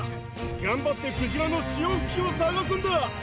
頑張ってクジラの潮吹きを探すんだ！